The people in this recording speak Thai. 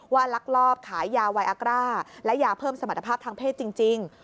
ลักลอบขายยาไวอากร่าและยาเพิ่มสมรรถภาพทางเพศจริง